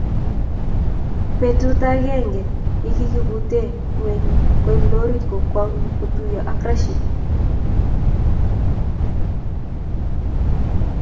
Betu t akenge ye kikubute ngweng koib lorit kokwong kotuyo ak Rashid.